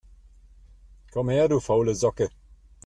Komm her, du faule Socke!